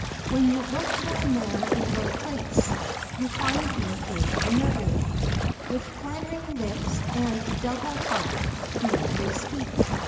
When you look for a man in one place, you find him in another. With flattering lips and a double heart do they speak.